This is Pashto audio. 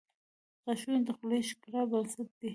• غاښونه د خولې د ښکلا بنسټ دي.